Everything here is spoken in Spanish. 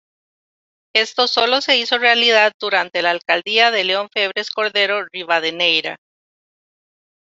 Esto sólo se hizo realidad durante la alcaldía de León Febres-Cordero Ribadeneyra.